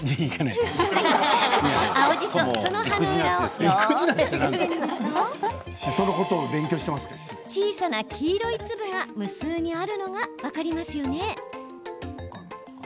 青じその葉の裏をよく見てみると小さな黄色い粒が無数にあるのが分かりますよね？